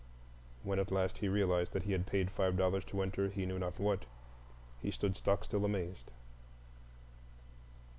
When at last he realized that he had paid five dollars to enter he knew not what, he stood stockstill amazed.